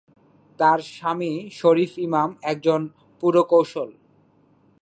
তার স্বামী শরীফ ইমাম একজন পুরকৌশল।